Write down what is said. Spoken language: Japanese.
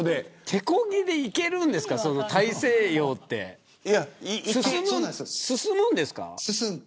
手こぎで行けるんですか大西洋って、進むんですか。